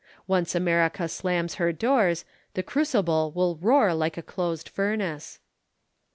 Once America slams her doors, the crucible will roar like a closed furnace.